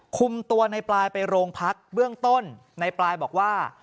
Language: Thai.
คุมตัวในปลายไปโรงพักเบื้องต้นในปลายบอกว่า